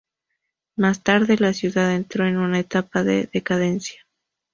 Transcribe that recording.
Más tarde, la ciudad entró en una etapa de decadencia.